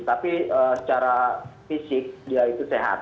tapi secara fisik dia itu sehat